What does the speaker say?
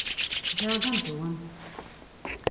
Žēl gan Toma.